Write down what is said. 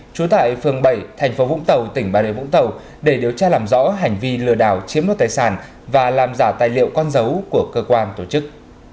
trú tại phường bảy thành phố vũng tàu tỉnh bà rịa vũng tàu để điều tra làm rõ hành vi lừa đảo chiếm đoạt tài sản và làm giả tài liệu con dấu của cơ quan tổ chức